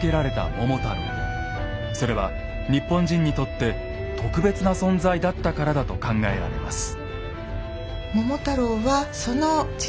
それは日本人にとって特別な存在だったからだと考えられます。